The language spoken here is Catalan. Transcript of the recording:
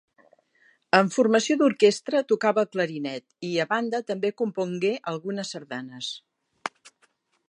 En formació d'orquestra tocava el clarinet i, a banda, també compongué algunes sardanes.